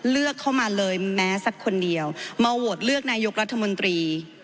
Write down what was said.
เลือกเข้ามาเลยแม้สักคนเดียวมาโหวตเลือกนายกรัฐมนตรี